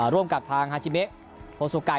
ร่วมกับทางฮาชิเมฆโฮโซไก